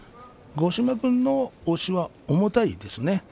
五島君の押しは重たいですね。